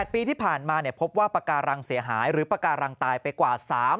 ปีที่ผ่านมาพบว่าปากการังเสียหายหรือปากการังตายไปกว่า